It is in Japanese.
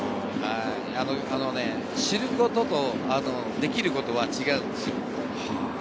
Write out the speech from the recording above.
知ることとできることは違うんですよ。